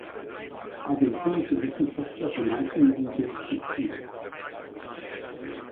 Argentinische Wissenschaftler benannten sie deskriptiv.